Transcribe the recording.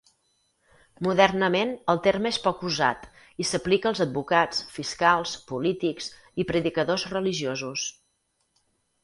Modernament el terme és poc usat i s'aplica als advocats, fiscals, polítics i predicadors religiosos.